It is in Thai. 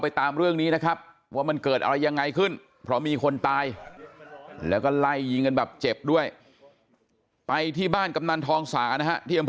ตามเรื่องนี้นะครับว่ามันเกิดอะไรยังไงขึ้นเพราะมีคนตายแล้วก็ไล่ยิงกันแบบเจ็บด้วยไปที่บ้านกำนันทองสานะฮะที่อำเภอ